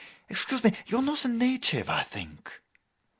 Excuse me: you are not a native, I think?